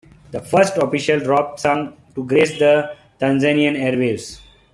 The first official rap song to grace the Tanzanian airwaves.